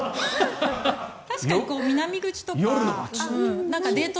確かに南口とかデート